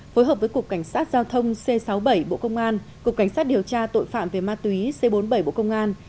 phối hợp với cục cảnh sát giao thông c sáu mươi bảy bộ công an cục cảnh sát điều tra tội phạm về ma túy c bốn mươi bảy bộ công an